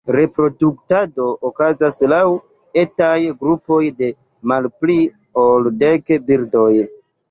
Reproduktado okazas laŭ etaj grupoj de malpli ol dek birdoj.